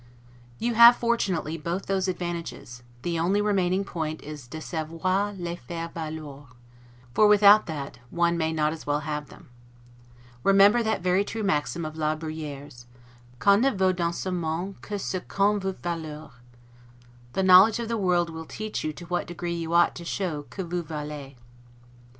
You have, fortunately, both those advantages: the only remaining point is 'de savoir les faire valoir', for without that one may as well not have them. Remember that very true maxim of La Bruyere's, 'Qu'on ne vaut dans se monde que ce qu'on veut valoir'. The knowledge of the world will teach you to what degree you ought to show 'que vous valez'.